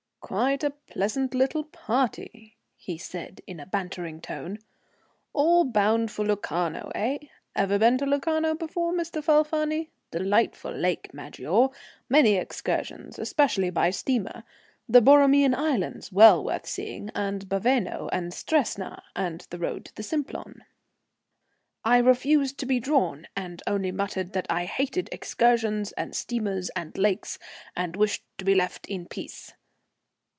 "Quite a pleasant little party!" he said in a bantering tone. "All bound for Locarno, eh? Ever been to Locarno before, Mr. Falfani? Delightful lake, Maggiore. Many excursions, especially by steamer; the Borromean islands well worth seeing, and Baveno and Stresa and the road to the Simplon." I refused to be drawn, and only muttered that I hated excursions and steamers and lakes, and wished to be left in peace.